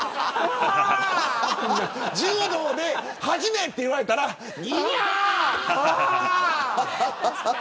柔道で始めって言われたらうわーって。